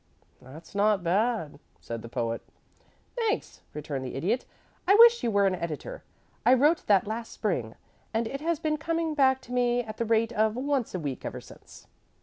"That's not bad," said the Poet. [Illustration: "'WE WOOED THE SELF SAME MAID'"] "Thanks," returned the Idiot. "I wish you were an editor. I wrote that last spring, and it has been coming back to me at the rate of once a week ever since."